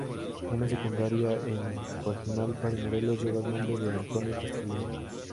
Una secundaria en Cuajimalpa de Morelos lleva el nombre de "Antonio Castro Leal".